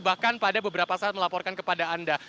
bahkan pada beberapa saat melaporkan kepada anda